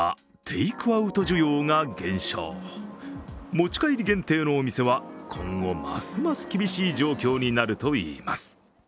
持ち帰り限定のお店は、今後ますます厳しい状況になるといいます。